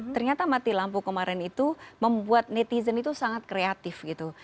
ternyata mati lampu kemarin itu membuat netizen itu sangat kreatif gitu